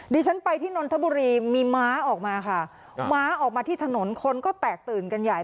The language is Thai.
ดิฉันไปที่นนทบุรีมีม้าออกมาค่ะม้าออกมาที่ถนนคนก็แตกตื่นกันใหญ่